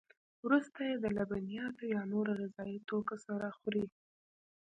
وروسته یې د لبنیاتو یا نورو غذایي توکو سره خوري.